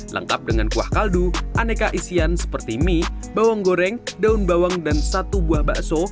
lengkap dengan kuah kaldu aneka isian seperti mie bawang goreng daun bawang dan satu buah bakso